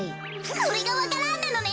これがわか蘭なのね。